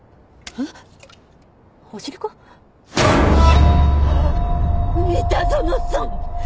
はっ三田園さん！